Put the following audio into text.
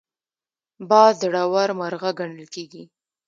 باز زړور مرغه ګڼل کېږي